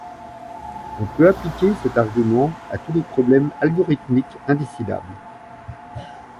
On peut appliquer cet argument à tous les problèmes algorithmiquement indécidables.